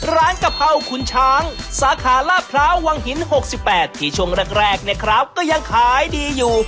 กะเพราขุนช้างสาขาลาดพร้าววังหิน๖๘ที่ช่วงแรกเนี่ยครับก็ยังขายดีอยู่